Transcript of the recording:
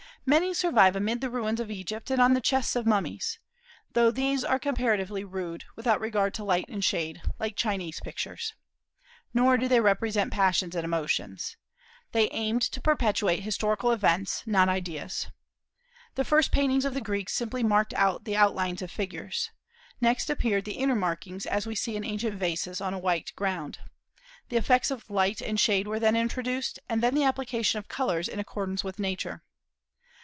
Many survive amid the ruins of Egypt and on the chests of mummies; though these are comparatively rude, without regard to light and shade, like Chinese pictures. Nor do they represent passions and emotions. They aimed to perpetuate historical events, not ideas. The first paintings of the Greeks simply marked out the outline of figures. Next appeared the inner markings, as we see in ancient vases, on a white ground. The effects of light and shade were then introduced; and then the application of colors in accordance with Nature.